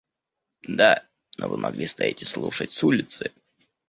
– Да, но вы могли стоять и слушать с улицы.